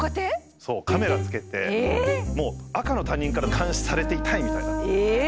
カメラ付けてもう赤の他人から監視されていたいみたいな。